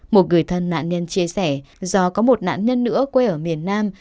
một người thân nạn nhân chia sẻ do có một nạn nhân nữa quê ở miền nam